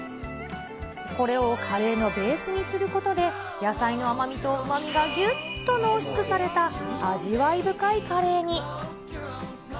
これをカレーのベースにすることで、野菜の甘みとうまみがぎゅっと濃縮された味わい深いカレーに。